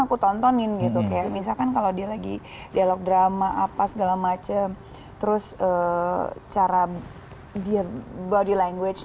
aku tontonin gitu kayak misalkan kalau dia lagi dialog drama apa segala macem terus cara dia body language